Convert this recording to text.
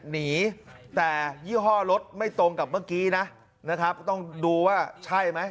หนีแต่ยี่ห้อรถไม่ตรงกับเมื่อกี้นะนะครับต้องดูว่าใช่ไหม